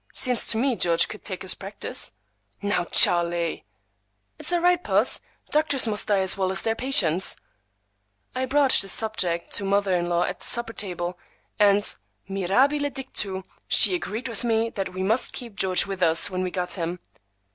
Seems to me George could take his practice." "Now, Charlie!" "It's all right, puss; doctors must die as well as their patients." I broached the subject to mother in law at the supper table, and—mirabile dictu!—she agreed with me that we must keep George with us when we got him.